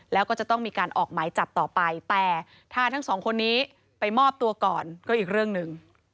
แล้วก็จะต้องมีการออกหมายจับต่อไปแต่ถ้าทั้งสองคนนี้ไปมอบตัวก่อนก็อีกเรื่องหนึ่ง